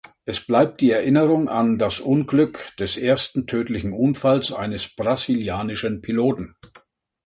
Es bleibt die Erinnerung an das Unglück des ersten tödlichen Unfalls eines brasilianischen Piloten.